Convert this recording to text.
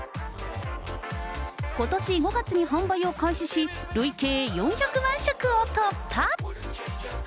ことし５月に販売を開始し、累計４００万食を突破。